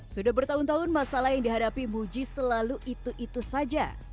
sudah bertahun tahun masalah yang dihadapi muji selalu itu itu saja